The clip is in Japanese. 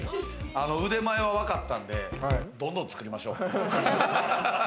腕前わかったんで、どんどん作りましょう。